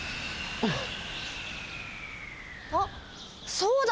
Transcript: あっそうだ。